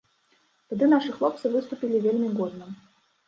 Тады нашы хлопцы выступілі вельмі годна.